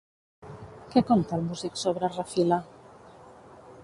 Què conta el músic sobre Refila?